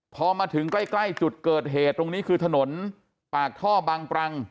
พอมาถึงใกล้จุดเกิดเหตุตรงนี้คือถนนปากท่อบางปรัง